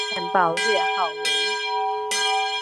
电报略号为。